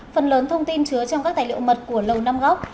phần lớn thông tin chứa trong các tài liệu mật của lầu năm góc